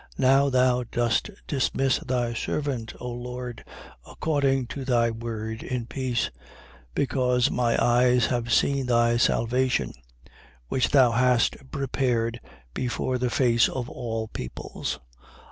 Now thou dost dismiss thy servant, O Lord, according to thy word in peace: 2:30. Because my eyes have seen thy salvation, 2:31. Which thou hast prepared before the face of all peoples: 2:32.